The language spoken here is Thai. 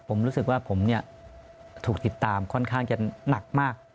ผมรู้สึกว่าผมถูกติดตามค่อนข้างจะหนักมาก